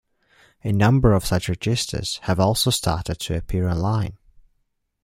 A number of such registers have also started to appear online.